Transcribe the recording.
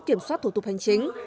kiểm soát thủ tục hành chính